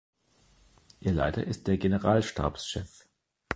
Ihr Leiter ist der "Generalstabschef".